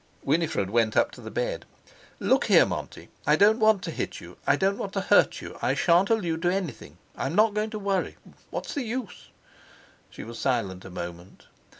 Winifred went up to the bed. "Look here, Monty! I don't want to hit you. I don't want to hurt you. I shan't allude to anything. I'm not going to worry. What's the use?" She was silent a moment.